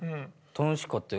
楽しかったよ